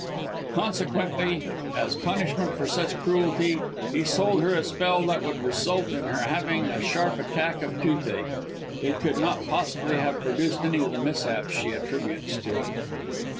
Consequently, as a punishment for such cruelty, he sold her a spell that would result in her having a sharp attack of toothache. It could not possibly have produced any of the mishaps she attributes to it."